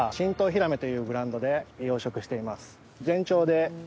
というブランドで養殖しています。